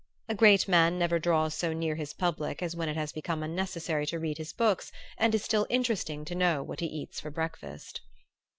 A great man never draws so near his public as when it has become unnecessary to read his books and is still interesting to know what he eats for breakfast.